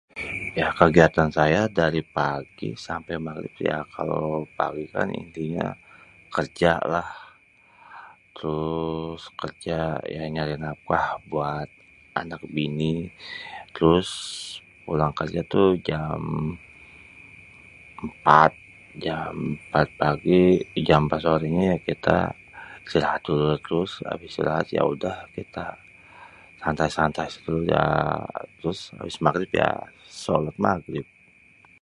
Ya, kegiatan saya dari pagi sampe Maghrib sih ya, kalo pagi kan intinya kerja lah. Terus kerja ya, nyari nafkah buat anak bini. Terus pulang kerja tuh jam empat, jam empat sorenya kita istirahat dulu. Terus abis istirahat yaudah kita santai-santai. Terus ya, abis Maghrib ya sholat Maghrib.